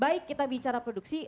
baik kita bicara produksi